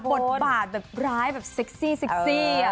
กลับบทบาทแบบร้ายแบบซิกซี่ซิกซี่